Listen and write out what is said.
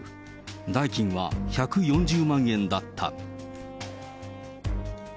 代金は１４０万円だった。